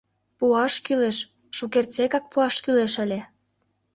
Пуаш кӱлеш, шукертсекак пуаш кӱлеш ыле...